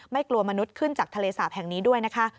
กลัวมนุษย์ขึ้นจากทะเลสาปแห่งนี้ด้วยนะคะ